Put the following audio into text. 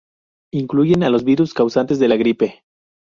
Incluyen a los virus causantes de la gripe.